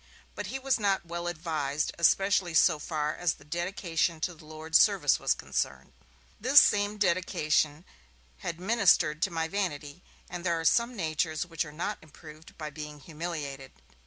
But he was not well advised especially so far as the 'dedication to the Lord's service' was concerned. This same 'dedication' had ministered to my vanity, and there are some natures which are not improved by being humiliated.